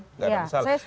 tidak ada masalah